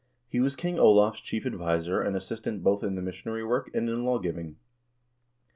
He was King Olav's chief adviser and assistant both in the missionary work and in lawgiving.